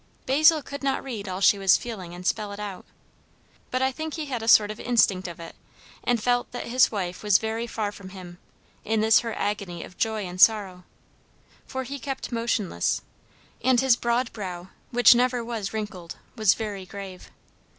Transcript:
Basil could not read all she was feeling and spell it out. But I think he had a sort of instinct of it, and felt that his wife was very far from him, in this her agony of joy and sorrow; for he kept motionless, and his broad brow, which never was wrinkled, was very grave.